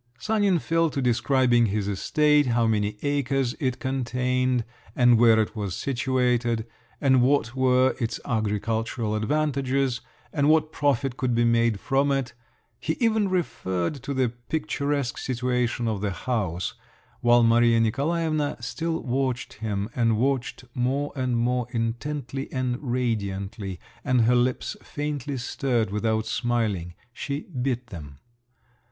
Sanin fell to describing his estate, how many acres it contained, and where it was situated, and what were its agricultural advantages, and what profit could be made from it … he even referred to the picturesque situation of the house; while Maria Nikolaevna still watched him, and watched more and more intently and radiantly, and her lips faintly stirred, without smiling: she bit them.